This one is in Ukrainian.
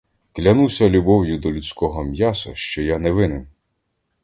Клянуся любов'ю до людського м'яса, що я не винен!